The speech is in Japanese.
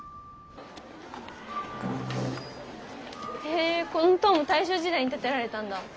へえこの塔も大正時代に建てられたんだ。